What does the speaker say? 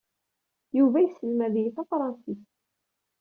Yuba yesselmad-iyi tafṛensist.